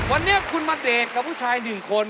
วันนี้คุณมาเดทกับผู้ชายหนึ่งคน